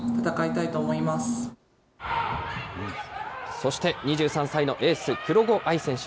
そして２３歳のエース、黒後愛選手。